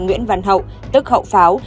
nguyễn văn hậu tức hậu pháo